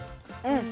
うん。